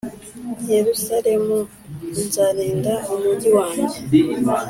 Yerusalemu Nzarinda Umugi Wanjye